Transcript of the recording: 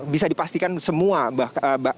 bisa dipastikan semua